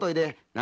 何？